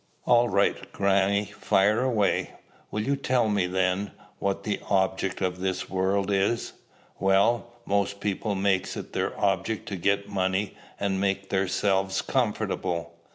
"All right, grannie. Fire away." "Will you tell me, then, what the object of this world is?" "Well, most people makes it their object to get money, and make theirselves comfortable."